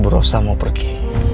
berusaha mau pergi